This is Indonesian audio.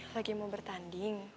lagi mau bertanding